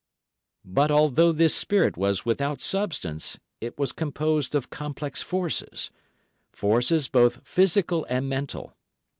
But although this spirit was without substance, it was composed of complex forces—forces both physical and mental.